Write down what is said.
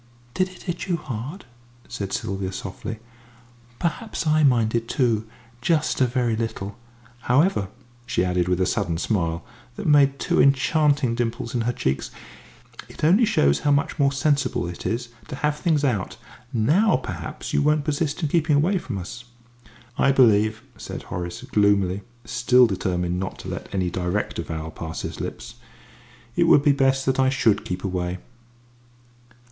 "Did it hit you hard?" said Sylvia, softly. "Perhaps I minded too, just a very little. However," she added, with a sudden smile, that made two enchanting dimples in her cheeks, "it only shows how much more sensible it is to have things out. Now perhaps you won't persist in keeping away from us?" "I believe," said Horace, gloomily, still determined not to let any direct avowal pass his lips, "it would be best that I should keep away."